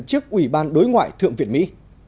trước ủy ban đối ngoại thượng viện mỹ